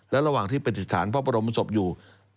และระหว่างที่ปฏิสถานพระบรมศพอยู่